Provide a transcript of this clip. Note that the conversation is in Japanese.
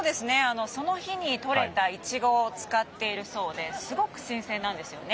その日にとれたイチゴを使っているそうですごく繊細なんですよね。